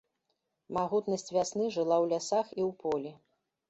Магутнасць вясны жыла ў лясах і ў полі.